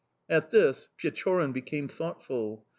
"At this Pechorin became thoughtful.